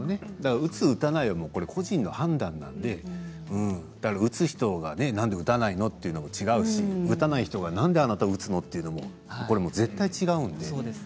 打つ打たないは個人の判断なので打つ人がなんで打たないの？というのも違うし、打たない人がなんであなたは打つの？というのも、これも絶対違うんですよ。